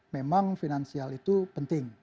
memang finansial itu penting